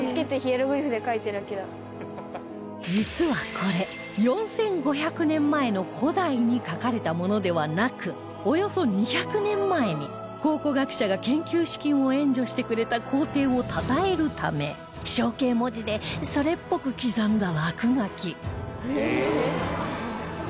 実はこれ４５００年前の古代に書かれたものではなくおよそ２００年前に考古学者が研究資金を援助してくれた皇帝をたたえるため象形文字でそれっぽく刻んだ落書き